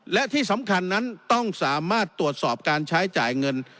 และที่สำคัญนั้นต้องสามารถตรวจสอบการใช้จ่ายเงิน